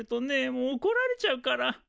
もうおこられちゃうから。